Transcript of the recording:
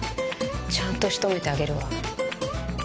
ちゃんと仕留めてあげるわ。